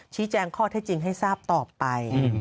ชี้แจ้งข้อแท้จริงให้ทราบต่อไป